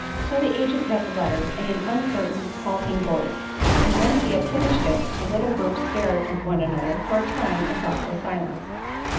So the agent read the letter in an uncertain halting voice, and when he had finished it the little group stared at one another for a time in thoughtful silence.